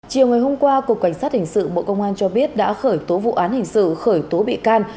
chiều ngày hôm qua cục cảnh sát hình sự bộ công an cho biết đã khởi tố vụ án hình sự khởi tố bị can